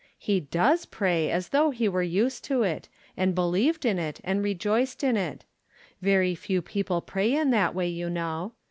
He does pray as though he were used to it, and believed in it, and rejoiced in it ; very few people pray in that way, you know.